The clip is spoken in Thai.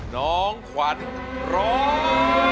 น้องขวัญร้อง